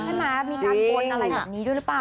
มีการกวนอะไรแบบนี้ด้วยหรือเปล่า